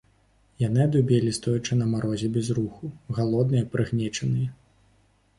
Яны адубелі, стоячы на марозе, без руху, галодныя, прыгнечаныя.